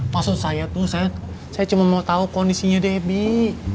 maksud saya tuh saya cuma mau tahu kondisinya debbie